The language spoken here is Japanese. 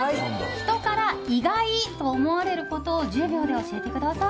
人から意外と思われることを１０秒で教えてください。